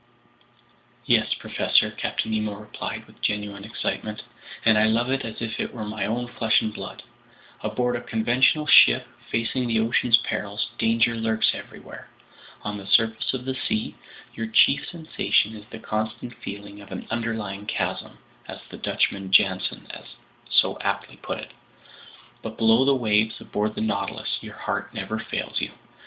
"Yes, professor," Captain Nemo replied with genuine excitement, "and I love it as if it were my own flesh and blood! Aboard a conventional ship, facing the ocean's perils, danger lurks everywhere; on the surface of the sea, your chief sensation is the constant feeling of an underlying chasm, as the Dutchman Jansen so aptly put it; but below the waves aboard the Nautilus, your heart never fails you!